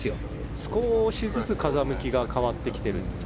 少しずつ風向きが変わってきてるんですね。